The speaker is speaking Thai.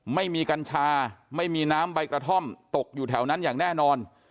กัญชาไม่มีน้ำใบกระท่อมตกอยู่แถวนั้นอย่างแน่นอน